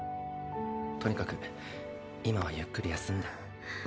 とにかく今はゆっくり休んで。